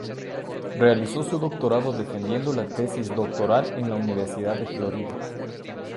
Realizó su doctorado defendiendo la tesis doctoral en la Universidad de Florida.